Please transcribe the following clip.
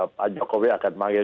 pak jokowi akan manggil